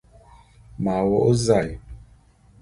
M'a wô'ô zae.